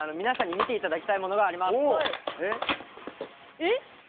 皆さんに見て頂きたいものがあります。